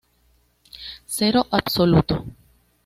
Cero absoluto.